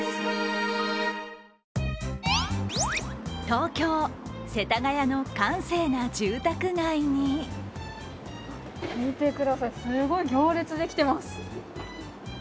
東京・世田谷の閑静な住宅街に見てください、すごい行列できてます。